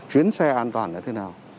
chuyến xe an toàn là thế nào